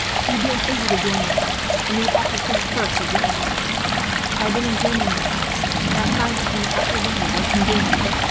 You would be unable to join your friends, and you would have to think first of your own life. "I have been examining the house, and I find that from an upper window one can gain the roof.